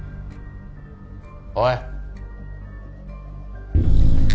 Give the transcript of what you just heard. おい！